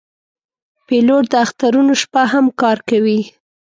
پیلوټ د اخترونو شپه هم کار کوي.